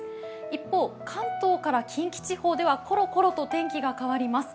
一方、関東から近畿地方ではころころと天気が変わります。